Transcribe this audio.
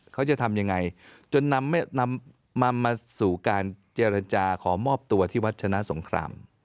เขาจะทำยังไงจนนำมาสู่การเจรจาขอมอบตัวที่วัดชนะสงคราม